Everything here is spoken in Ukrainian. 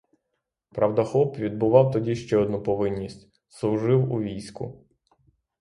Правда, хлоп відбував тоді ще одну повинність: служив у війську.